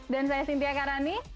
dan saya cynthia karani